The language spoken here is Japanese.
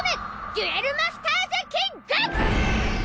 『デュエル・マスターズキング！』。